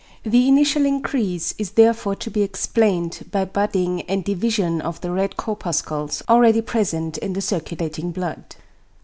The initial increase is therefore to be explained by budding and division of the red corpuscles already present in the circulating blood.